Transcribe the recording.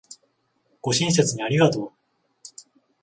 ご親切にありがとう